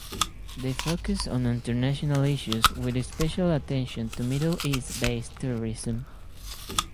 They focused on international issues with special attention to Middle East-based terrorism.